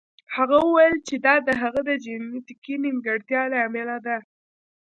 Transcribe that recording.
هغه وویل چې دا د هغه د جینیتیکي نیمګړتیا له امله ده